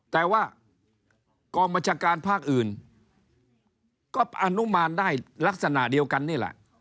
แต่ว่ากองบัญชาการภาคอื่นก็อนุมานได้ลักษณะเดียวกันนี่แหละ